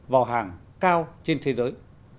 vào hàng cao trên thế giới